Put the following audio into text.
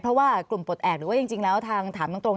เพราะว่ากลุ่มปลดแอบหรือว่าจริงแล้วทางถามตรง